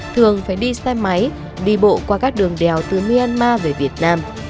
thường phải đi xe máy đi bộ qua các đường đèo từ myanmar về việt nam